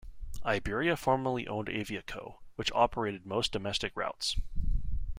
Iberia formerly owned Aviaco, which operated most domestic routes.